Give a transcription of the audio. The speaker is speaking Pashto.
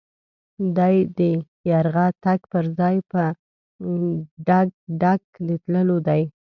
دی د يرغه تګ پر ځای په ډګډګ د تللو دی.